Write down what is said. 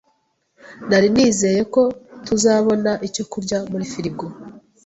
Nari nizeye ko tuzabona icyo kurya muri firigo.